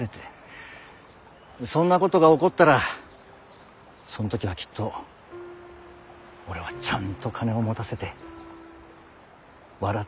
そんなことが起こったらその時はきっと俺はちゃんと金を持たせて笑って送り出してやりてえ。